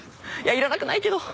いらなくないけど。